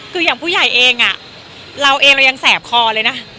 คืออย่างผู้ใหญ่เองเราเองเรายังแสบคอเลยนะ